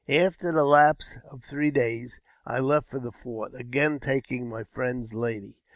After the lapse of three days I left for the fort, again taking my friend's lady.